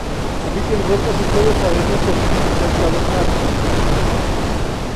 Habita en rocas y suelo arenoso, cerca del mar.